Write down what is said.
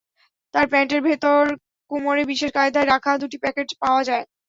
তাঁর প্যান্টের ভেতর কোমরে বিশেষ কায়দায় রাখা দুটি প্যাকেট পাওয়া যায়।